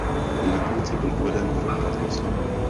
Na konci byl uveden rok platnosti.